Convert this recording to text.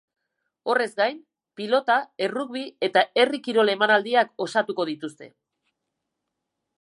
Horrez gain, pilota, errugbi eta herri kirol emanaldiak osatuko dituzte.